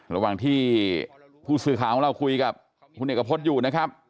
ระหว่างที่ผู้สื่อข่าวของเราคุยกับคุณเอกพจน์อยู่นะครับ